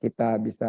kita bisa konversi